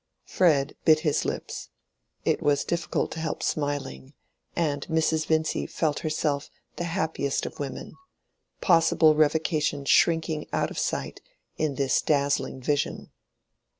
Fred bit his lips: it was difficult to help smiling, and Mrs. Vincy felt herself the happiest of women—possible revocation shrinking out of sight in this dazzling vision.